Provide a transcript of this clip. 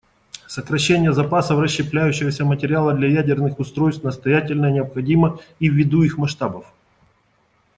Сокращение запасов расщепляющегося материала для ядерных устройств настоятельно необходимо и ввиду их масштабов.